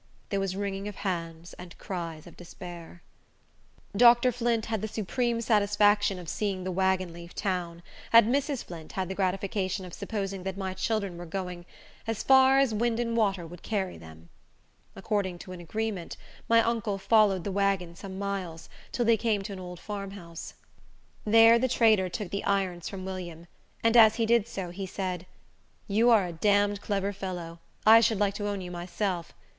There was wringing of hands and cries of despair. Dr. Flint had the supreme satisfaction of seeing the wagon leave town, and Mrs. Flint had the gratification of supposing that my children were going "as far as wind and water would carry them." According to agreement, my uncle followed the wagon some miles, until they came to an old farm house. There the trader took the irons from William, and as he did so, he said, "You are a damned clever fellow. I should like to own you myself.